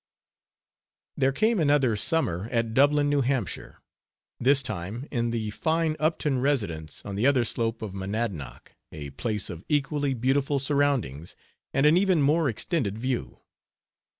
There came another summer at Dublin, New Hampshire, this time in the fine Upton residence on the other slope of Monadnock, a place of equally beautiful surroundings, and an even more extended view.